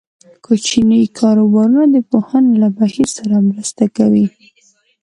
کوچني کاروبارونه د پوهنې له بهیر سره مرسته کوي.